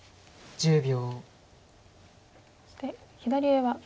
１０秒。